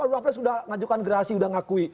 beberapa sudah mengajukan gerasi sudah mengakui